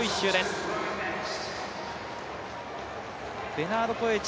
ベナード・コエチ。